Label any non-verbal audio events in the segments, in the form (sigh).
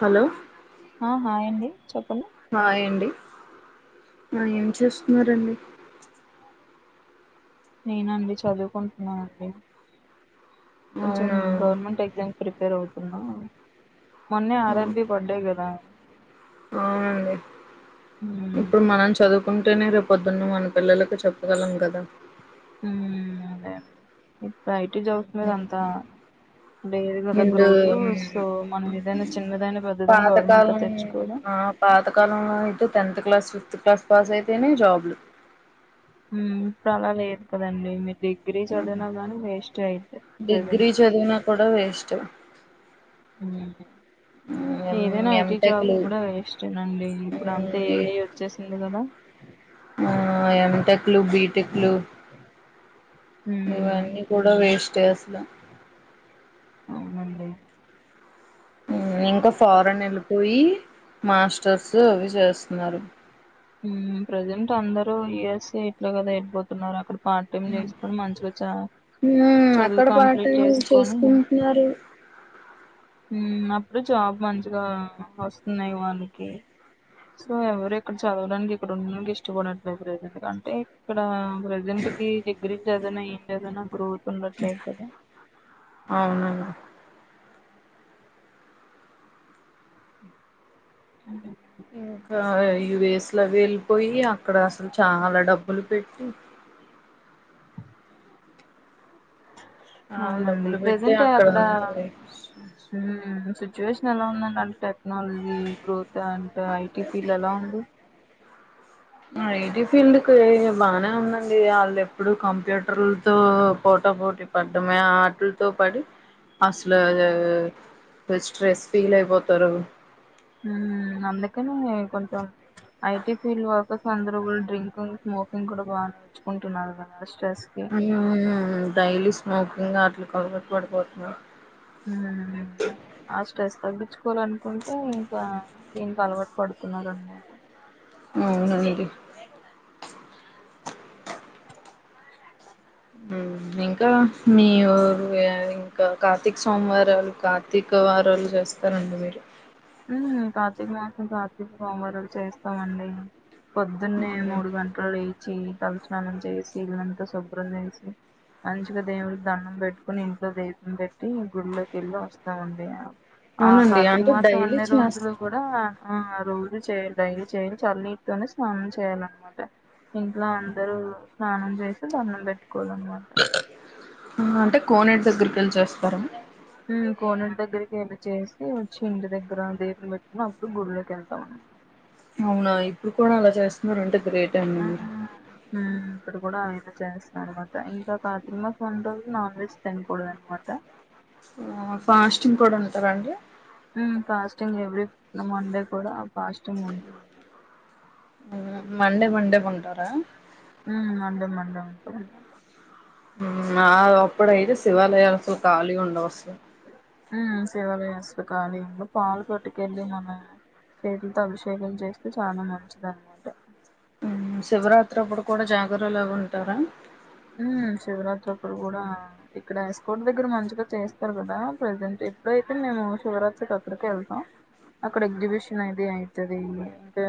Hello ఆహా ఏంటి చెప్పండి హాయ్ అండి హాయ్ చేస్తున్నారండి నేనండి చదువుకుంటున్నానండి కొంచెం అవునా గవర్నమెంట్ ఎగ్జామ్ ప్రిప ప్రిపేర్ అవుతున్నా మొన్నే ఆ, అరబ్బీ పడ్డాయి కదా అవునండి మ్మ్ ఇప్పుడు మనం చదువుకుంటేనే రేపుపొద్దున్న మన పిల్లలకు చెప్పగలం కదా ఉ అదేండి ఇప్పుడు ఐటి జాబ్స్ మీద అంతా లేదు కదా నిడు గ్రోత్ సో మనం ఏదైనా చిన్నదైనా పెద్దదైనా గవర్నమెంట్ లో పాతకాలం తెచ్చుకోవడం ఆ పాతకాలంలో అయితే tenth class tenth class pass అయితేనే జాబ్లు హు ఇప్పుడు అలా లేదు కదండి మీరు డిగ్రీ చదివినా కాని వేస్ట్ అయితే డిగ్రీ ప్రెజెంట్ కి చదివినా కూడా వేస్ట్ హు ఎం ఏదైనా ఐటీ జాబ్ ఎంటెక్లు కూడా వేస్టే నండి ఇప్పుడు మ్, అంతా ఏఐ వచ్చేసింది కదా హు ఎంటెక్ లు బి టెక్ లు ఉమ్ ఇవన్నీ కూడా వేస్ స్టే అసల అవునండి హు ఇం క ఫారెన్ ఎళిపోయి మాస్టర్స్ అవి చేస్తున్నారు హుమ్ ప్రజెంట్ అందరు యుఎస్స్ ఎట్లా కదా వెళ్ళిపోతున్నారు అక్కడ పార్ట్ టైమ్ చేసుకొని మంచిగా చ మ్మ్ చదువు అక్కడ కంప్లీట్ పార్టీలు చేసుకొని చేసుకుంటున్నారు హ్మ్ అప్పుడు జాబ్ మంచిగా వస్తున్నాయి వాళ్ళకి సో ఎవరెక్క (unintelligible) చదవడానికి ఇక్కడ ఉండడానికి ఇష్టపడట్లేదు ప్రెజెంట్ గా అంటే ఇక్కడ (unintelligible) ప్రెజెంట్ కి డిగ్రీ ఎదన్నా ఇండియా లోన గ్రోత్ ఉండట్లేదు కదా అవునన్ (unintelligible) ఇంకా యు ఎస్ లవి వెళ్ళిపోయి అక్కడ అసలు చాలా డబ్బులు పెట్టి ఆల్ అవునండి డబ్బులు పెట్టి ప్రజెంట్ అక్కడ ఉండే (inaudible) సిచువేషన్ ఎలా ఉందని అంటే technology growth and IT field ఎలా ఉంది ఐటీ ఫీల్డ్ కే బానే ఉందండి వాళ్ళు ఎప్పుడు కంప్యూటర్లతో పోటా పోటీ పడ్డమే ఆటిల్తో పడి అసలు (unintelligible) (unintelligible) స్ట్రెస్ ఫీల్ అయిపోతారు, హ్మ్ అందుకనే కొంచం ఐటి ఫీల్డ్ వర్క్ ర అందరు బాగా డ్రింకింగ్ స్మోకింగ్ కూడా బా నేర్చుకుంటున్నారు కదా స్ట్రెస్ కి (unintelligible) డైలీ స్మోకింగ్ ఆట్లకి అలవాటు పడిపోతున్నారు. మ్మ్ ఆ స్ట్రెస్ తగ్గించుకోవాలనుకుంటే ఇంకా దీనికి అలవాటు పడుతున్నారు అనమాట అవునండి హ్మ్ ఇంకా మీ ఊరు అ ఇంకా కార్తీక సోమవారాలు కార్తీక వారాలు చేస్తారండి మీరు హ్మ్ కార్తీక మాసం కార్తీక సోమవారాలు చేస్తామండి. పొద్దున్నే మ్మ్. మూడు గంటలు లేచి తలస్నానం చేసి ఇల్లంతా శుభ్రం చేసి మంచిగా దేవుడికి దండం పెట్టుకుని ఇంట్లో దీపం పెట్ ట్టి గుళ్లోకెళ్ళి వస్తామండి. ఏమో ఆ అవునండి కార్తిక అంటే మాసం కొంచెం డైలీ అన్ని చేస్త రోజులు కూడా ఆ రోజు చేయాలి డైలీ చేయాలి చన్నీటితోనే స్నానం చేయాలన్నమాట ఇంట్లో అందరూ స్నానం చేసి దండం పెట్టి కోవాలన్నమాట అంటే కోనేటి దగ్గరికి వెళ్ళిచేస్తార, హ్మ్ కోనేటి దగ్గరకి వెళ్లి చేసి వచ్చి ఇంటి దగ్గర దీపం పెట్టుకొని అప్పుడు గుళ్లోకి వెళ్తాం అం అవునా ఇప్పుడు కూడా అలా చేస్తున్నార అంటే గ్రేట్ అండి మీరు చేస్త అనమాట ఇంకా కాకి మాస్ ఉంటుంది నాన్ వెజ్ తినకూడదు అనమాట ఫాస్టింగ్ కూడా ఉంటారా అండి ఉ ఫాస్టింగ్ ఎ లే మండే కూడా ఫాస్టింగ్ మండే మండే పంటార ఉ మండే మండే ఉంటా అన్నమాట ఆ అప్పుడయితే శివాలయాల అసలు ఖాళీగా ఉండవుసలు మ్మ్ శివాలయస్తుకాళీ పాలు పట్టుకెళ్ళి మన చేతులతో అభిషేకం చేస్తే చాన మంచిది అన్నమాట మ్మ్ శివరాత్రి అప్పుడు కూడ జాగరలు ఉంటారా హ్మ్ శివరాత్రి అప్పుడు కూడా ఇక్కడ ఎస్కార్ట్ దగ్గర మంచిగా చేస్తరు కదా ప్రజెంట్ ఎప్పుడైతే మేము శివరాత్రికి అక్కడికి వెళ్తాం అక్కడ ఎగ్జబిషన్ అది అయితది ఇంకా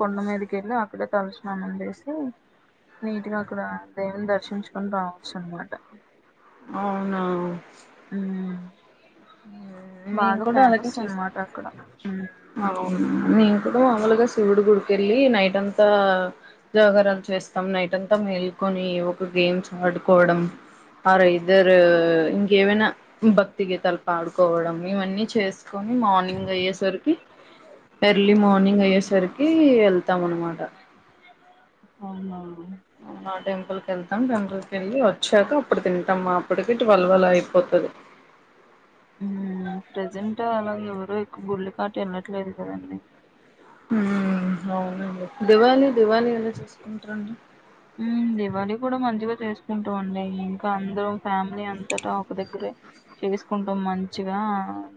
కొండ మీదికి వెళ్ళి అక్కడే తల స్నానం చేసి నీట్ గా అక్కడ దేవున్ని దర్శించుకుని రావచ్చు అనమాట అవునా మ్మ్ బాగ మేము కూడా అలాగే ఫేమస్ అన్నమాట అక్కడ మ్మ్ నేం కూడా మాముూలుగా శివుడు గుడికెళ్ళీ నైట్ అంతా జాగారం చేస్తాం నైట్ అంతా మేల్కొని ఒక గేమ్స్ ఆడుకోవడం ఆర ఇద్దరు ఇంకేవైనా భక్తి గీత పాడుకోవడం ఇవన్నీ చేసుకొని మార్నింగ్ అయ్యేసరికి ఎర్లీ మార్నింగ్ అయ్యేసరికి వెళ్తాం అన్నమాట అవునా ఇంకా టెంపుల్ కి వెళ్తాం టెంపుల్ కి వెళ్ళి వచ్చాక అప్పుడు తిం టం అప్పటికే టువెల్ అలా అయిపోతది హ్మూ ప్రెజెంట్ అలాగ ఎవరు ఎక్కువ గుళ్లకటు వెళ్ళట్లేదు కదండీ హ్మూ అవునండి దివాళి దివాళి ఎలా చేసుకుంటరండి మ్మ్ దివాళి కూడ మంచిగ చేసుకుంటం అండి ఇంకా అందరం ఫ్యామిలీ అంతటా ఒక దగ్గరే చేసుకుంటం మంచిగా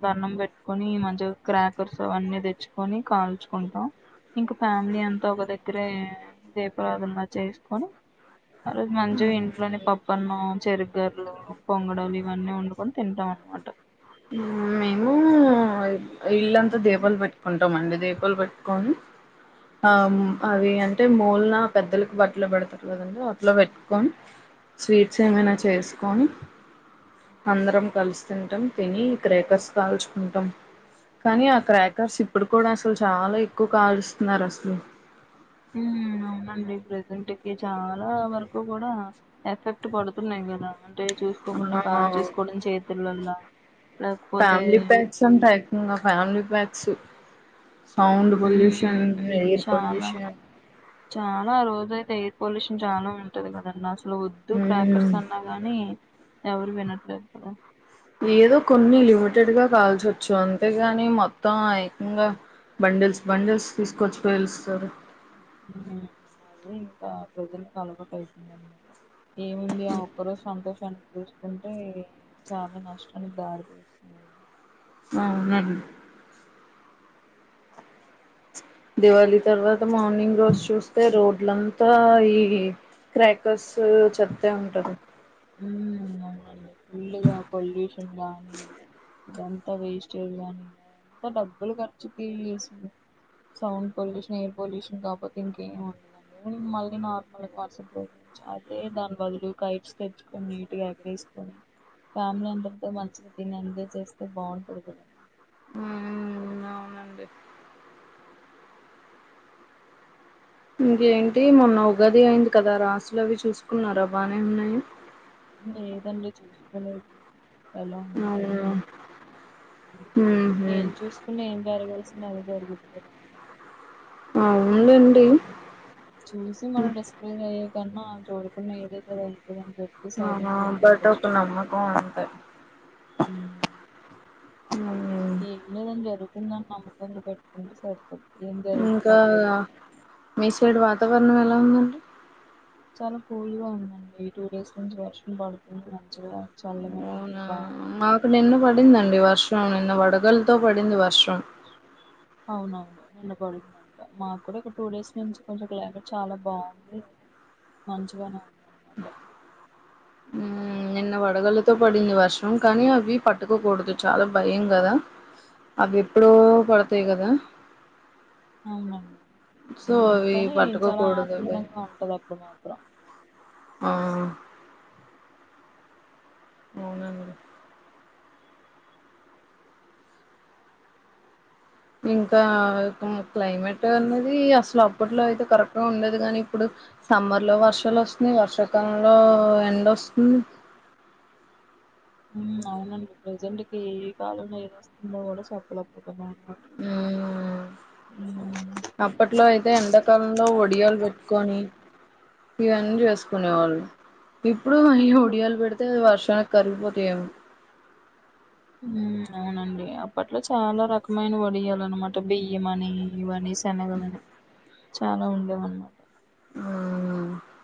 దన్నం పెట్ట్కొని మంచిగా క్రాకర్స్ అన్నీ తెచ్చుకొని కాల్చుకుంటం ఇంక ఫ్యామిలీ అంతా ఒక దగ్గరే దీపరాధనలా చేసు కొని అ రోజు మంచిగ ఇంట్లోనే పప్పన్నం చెరు గరెలు, పొంగడాలు ఇవన్నీ వండుకొని తింటాం అన్నమాట. మ్మ్ మేమూ. ఇల్లంతా దీపాలు పెట్టుకుంటామండి దీపాలు పెట్టుకొని. ఆహ్ అవీ అంటే మూలన పెద్దలకు బట్టలు పెడతారు కదండి. అట్ల పెట్టుకొని స్వీట్స్ ఏమైనా చేసుకొని అందరం కలిసి తింటం. తిని క్రాకర్స్ కాల్చుకుంటం కానీ ఆ క్రాకర్స్ ఇప్. ఇప్పుడు కూడ అసలు చాల ఎక్కువ కాలుస్తున్నారు అసలు. తి ఇంటికి చాల వరకు కూడ ఎఫెక్ట్ పడుతున్నాయి కదా. అంటే చూసుకోకుండ ఆ కాల్చేసుకోవడం చేతులల్లా. ఫ్యామిలీ ప్యాక్స్ అని టైప్ ఆహ్ ఫ్యామిలీ ప్యాక్. క్స్ సౌండ్ ఉమ్ పొల్యూషన్, ఎయిర్ చాలా పొల్యూషన్. చాలా రోజయితే ఎయిర్ పొల్యూషన్ చాలా ఉంటది కదా అన్నా, అసలు వద్దు క్రాకర్స్ మ్మ్ అన్నా గానీ. ఎవరు వినటల్లేదు ఇప్పుడు, ఏదో కొన్ని లిమిటెడ్ గా కాల్చు తెచ్చు అంతేగాని మొత్తం ఏకంగా బండిల్స్ బండిల్స్ తీసుకొచ్చి పెలుస్తరు. హ్మ్ అదే ఇంకా ప్రజలకు అలవాటు అయిపోయింది అన్నమాట. ఏముంది ఆ ఒక్క రోజు సంతోషానికి. చూసుకుంటే చాలా నష్టానికి దారి తీస్తున్నది. ఆహ్ అవునండి. ప్చ్ దీవాలీ తర్వాత. మార్నింగ్ రోజు చూస్తే రోడ్. అంతా ఈ క్రాకర్స్ చెత్తె ఉంటది. హ్మ్ అవునండి ఫుల్గా పొల్యూషన్ గానీ. ఇదంతా వేస్టేజ్ కానీ అంత డబ్బులు ఖర్చుచేయెసి సౌండ్ పొల్యూషన్, ఎయిర్ పొల్యూషన్ కాకపోతే ఇంకేమి ఉండదండి. మళ్ళీ నార్మల్గా మర్సటిరోజు అదే దాని బదులు కైట్స్. తెచ్చుకొని నీట్గా ఎగరేసుకొని ఫ్యామిలీ అందర్తో మంచిగా తిని ఎంజాయ్ చేస్తే బాగుంటది కదండి. హ్మ్ అవునండి. ఇంకేంటి మొన్న ఉగాది అయింది కదా. రాసులు అవి చూసుకున్నారా బానే ఉన్నాయి. లేదండి చూసుకోలేదు. అవునా మ్మ్ ఏం హ్మ్ చూసుకున్నా ఏం జరగాల్సింది. అవే జరుగుతున్నాయి కదండీ. అవును. చూసి మనం రెస్పాండ్ అయ్యో. కన్నా చుడకున్నా ఏదైతే కూడా ఉం. అవునా సైలెంట్ గా ఉండడం బట్ ఒక బెస్ట్ నమ్మకం అంతే ఉ ఏం లేదని జరుగుతుందని నమ్మకంగా పెట్టుకుంటే సరిపోద్ ఇంకా మీ సైడ్ వా వాతావరణం ఎలా ఉందండి చాలా కూల్గా ఉందండి టూ డేస్ నుంచి వర్షం పడుతుంది మంచిగా చల్లగానే ఉంది అవునా బానే ఉంది మాకు నిన్న పడిందండి వర్షం నిన్న వడగల్లతో పడింది వర్షం అవునవును నిన్న బడిందంట మాకు కూడా ఒక టూ డేస్ నుంచి కొంచం క్లైమేట్ చాలా బాగుంది మంచిగానే ఉం నిన్న వడగల్లతో పడింది వర్షం కానీ అవి పట్టుకోకూడదు చాలా భయం కదా అవి ఎప్పుడో పడతాయి కదా అవునా సో మ్ అవి కాని చాలా పట్టుకోకూడదు అవి ఆనందంగా ఉంటది అప్పుడు మాత్రం ఆ అవునండి ఇంకా ఆ కుం క్లైమేట్ అన్నది అస్ అప్పట్లో అయితే కరెక్ట్ గా ఉండేది కానీ ఇప్పుడు సమ్మర్లో వర్షాలు వస్తున్నాయి వర్షాకాలంలో ఎండ వస్తుంది మ్ అవునండి ప్రజెంట్ కి ఏ కాలంలో ఏది వస్తుందో కూడా చెప్పలేక పో మ్ అప్పట్లో అయితే ఎండాకాలంలో ఒడియాలు పెట్ కొని ఇవన్నీ చేసుకునే వాళ్ళు ఇప్పుడు అయ్యో ఒడియాలు పెడితే వర్షానికి కరిగిపోతాయి ఏమో మ్ అవునండి అప్పట్లో చాలా రకమైన వడియాల అన్నమాట బియ్యం అని ఇవనేసి శెనగలు అని చాలా ఉండేవి అన్నమాట మ్మ్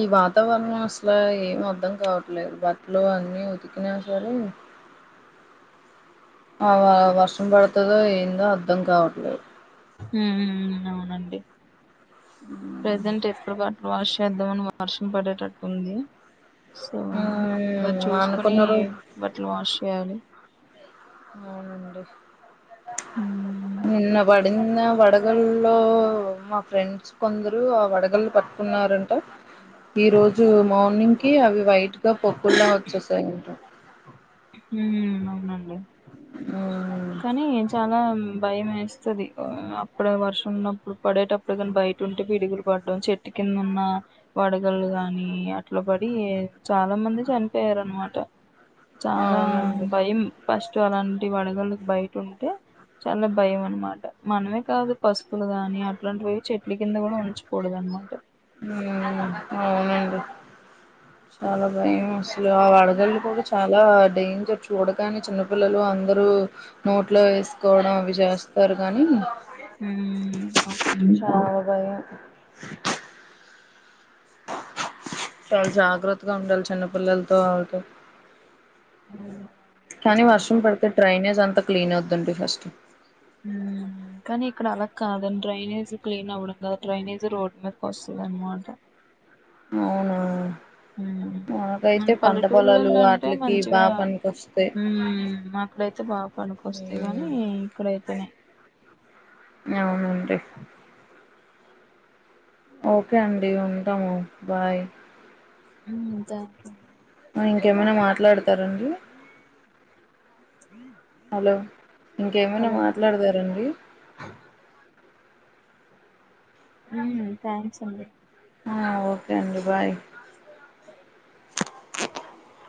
ఈ వాతావరణం అసల ఏం అర్ధం కావట్లేదు బట్టలు అన్ని ఉతికినా సరే ఆ వా వర్షం పడుతదో ఏందో అర్ధం కావట్లేదు మ్ అవునండి ప్రెజెంట్ ఎప్పుడు కా వాష్ చేద్దామని వర్షం పడేటట్టుంది సో బట్ మ్మ్ చూసుకుని అనుకున్న రోజు బట్టలు వాష్ చేయాలి అవునండి హ్మ్. నిన్న పడింది నిన్న వడగల్లో మా ఫ్రెండ్స్ కొందరు ఆ వడగల్లు పట్టుకున్నారంట ఈ రోజు మార్నింగ్ కి అవి వైట్ గా పొక్కుల్లా వచ్చేసాయి అంట ఉమ్ అవునండి ఆ కానీ చాలా భయం వేస్తది అప్పుడే వర్షం ఉన్నప్పుడు పడేటప్పు డు కానీ బయట ఉంటే పిడుగులు పడ్డం చెట్ ట్ కింద ఉన్న వడగళ్ళు గాని అట్లా పడి చాలా మంది చనిపోయారు అనమాట చాలా అవునండి భయం పష్ టు అలాంటి వడగళ్లు బయట ఉంటే చాలా భయం అనమాట మనమే కాదు పసుపులు గాని అట్లాంటివి ఏవి చెట్ల కింద కూడా ఉంచకూడదు అనమాట మ్ అవునండి చాలా భయం అసలు ఆ వడగళ్లు కూడా చాలా డేంజర్ చూడగాని చిన్నపిల్లలు అందరూ నోట్లో వేస్ కోడం అవి చేస్తారు కానీ ఉమ్ అవును భయమే చాల జాగ్రత్తగా ఉండాలి చిన్నపిల్లలతో ఆల్తో ఉ కానీ వర్షం పడితే ట్రైనే క్లీన్ వద్దండి ఫస్ట్ కానీ ఇక్కడ అలా కాదండి డ్రైనేజ్ క్లీన్ అవ్వడం కాదుా డ్రైనేజ్ రోడ్డు మీద వస్తుంది అనమాట అవునా హ్మ్ మన మనకైతే పంట పొలాలు పల్లెటూరులలో అంటే వాటిలకి మంచిగా బాగా పనికొస్తాయి అక్కడైతే బాగా పడుకుొస్తాయి గాని మ్మ్. ఇక్కడైతే అని అవునండి ఓకే అండి ఉంటాము బాయ్ హ్మ్ థాంక్ యూ ఇంకేమైనా మాట్లాడతారండి హలో ఇంకేమైనా హలో మాట్లాడతారండి హమ్ థ్యాంక్ అండి ఆ ఓకే అండి బాయ్ (inaudible)